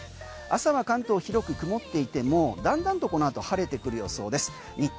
朝は関東広く曇っていてもだんだんとこの後晴れてくる予想です。